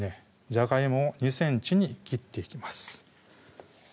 じゃがいもを２ｃｍに切っていきます